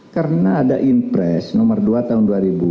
karena ada impress nomor dua tahun dua ribu tujuh belas